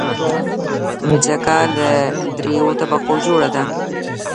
مځکه له دریو طبقو جوړه ده.